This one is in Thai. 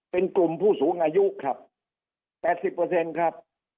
เป็นกลุ่มผู้สูงอายุครับแปดสิบเปอร์เซ็นต์ครับ